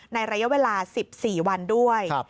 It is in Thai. ในระยะเวลา๑๔วันด้วย